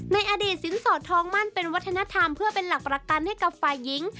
ในอดีตสินสอดทองมั่นเป็นวัฒนธรรมเพื่อเป็นหลักประกันให้กับฝ่ายหญิง